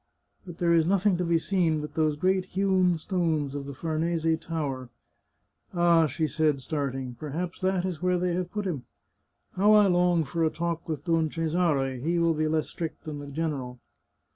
But there is nothing to be seen but those great hewn stones of the Farnese Tower. Ah !" she said, starting, " perhaps that is where they have put him! How I long for a talk with Don Ce sare ; he will be less strict than the general.